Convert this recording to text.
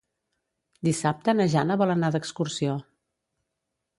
Dissabte na Jana vol anar d'excursió.